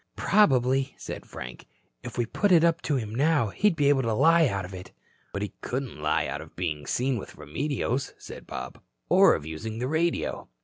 "Probably," said Frank, "if we put it up to him now, he'd be able to lie out of it." "But he couldn't lie out of being seen with Remedios," said Bob. "Or of using the radio."